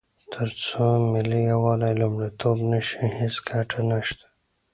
تر څو ملي یووالی لومړیتوب نه شي، هیڅ ګټه نشته.